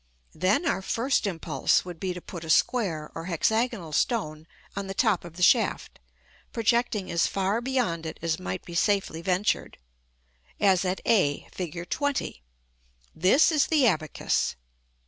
Then our first impulse would be to put a square or hexagonal stone on the top of the shaft, projecting as far beyond it as might be safely ventured; as at a, Fig. XX. This is the abacus.